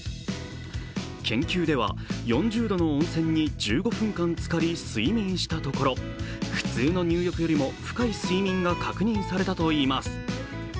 研究では４０度の温泉に１５分間つかり睡眠したところ普通の入浴よりも深い睡眠が確認されたといいます。